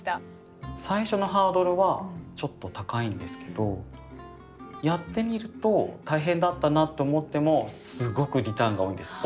最初のハードルはちょっと高いんですけどやってみると大変だったなと思ってもすごくリターンが多いんです。